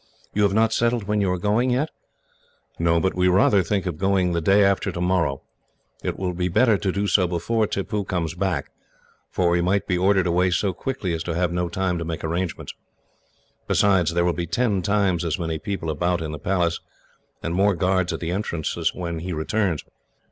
You have not settled when you are going, yet?" "No; but we rather think of going the day after tomorrow. It will be better to do so before Tippoo comes back, for we might be ordered away so quickly as to have no time to make arrangements. Besides, there will be ten times as many people about, in the Palace, and more guards at the entrances when he returns.